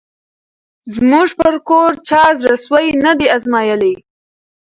زموږ پر کور چا زړه سوی نه دی آزمییلی